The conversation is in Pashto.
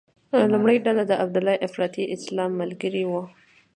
لومړۍ ډله د عبیدالله افراطي اسلام ملګري وو.